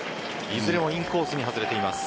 いずれもインコースに外れています。